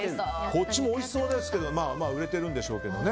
こっちもおいしそうですけど売れてるんでしょうけどね。